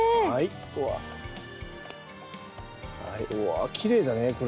あきれいだねこれ。